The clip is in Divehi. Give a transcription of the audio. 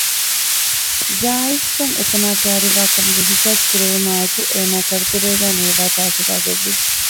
ޒާއިފް އަށް އެތަނާ ކައިރިވާކަމުގެ އިހްސާސް ކުރެވުމާއި އެކު އޭނާގެ ކަރުތެރޭގައި ނޭވާ ތާށިވާ ގޮތްވި